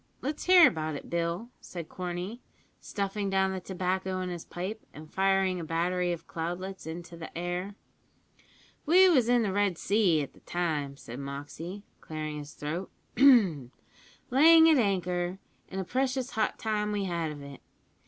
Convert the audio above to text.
Let's hear about it, Bill," said Corney, stuffing down the tobacco in his pipe, and firing a battery of cloudlets into the air. "We was in the Red Sea at the time," said Moxey, clearing his throat, "layin' at anchor, and a precious hot time we had of it.